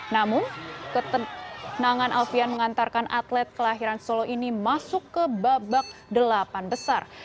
namun ketenangan alfian mengantarkan atlet kelahiran solo ini masuk ke babak delapan besar